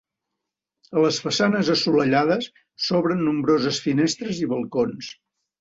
A les façanes assolellades s'obren nombroses finestres i balcons.